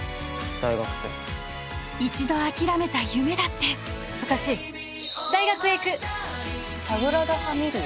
大学生一度諦めた夢だって私大学へ行く・サグラダファミリ家？